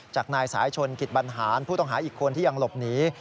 จากนายสายชนกิจบรรหารผู้ต้องหาอีกคนที่ยังหลบหนี